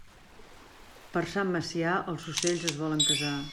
Per Sant Macià, els ocells es volen casar.